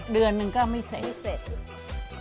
เดือนหนึ่งก็ไม่เสร็จ